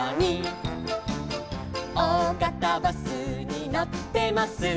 「おおがたバスに乗ってます」